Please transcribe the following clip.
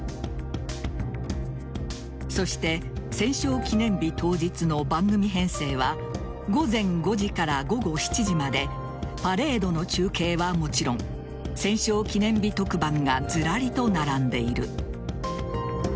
そして戦勝記念日当日の番組編成は午前５時から午後７時までパレードの中継はもちろん戦勝記念日特番がずらりと並んでいる。